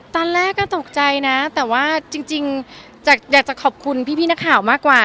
ตอนแรกก็ตกใจนะแต่ว่าจริงอยากจะขอบคุณพี่นักข่าวมากกว่า